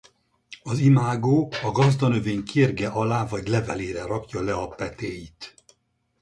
Az imágó a gazdanövény kérge alá vagy levelére rakja le a petéit.